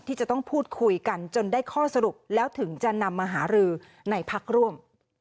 ที่จะต้องพูดคุยกันจนได้ข้อสรุปแล้วถึงจะนำมาหารือในพักร่วม